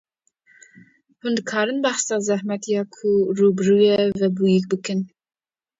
Hûn dikarin behsa zehmetya ku rûbirûyê we bûyî bikin?